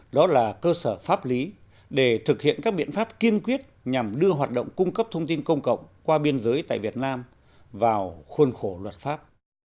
đó là cơ sở pháp lý để thực hiện các biện pháp kiên quyết nhằm đưa hoạt động cung cấp thông tin công cộng qua biên giới tại việt nam vào khuôn khổ luật pháp